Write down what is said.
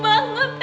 makasih banget mas